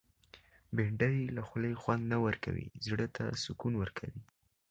بېنډۍ له خولې خوند نه ورکوي، زړه ته سکون ورکوي